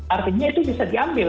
artinya itu bisa diambil